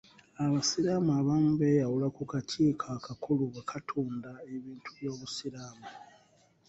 Abasiraamu abamu beyawula ku kakiiko akakulu bwe katunda ebintu by'obusiraamu.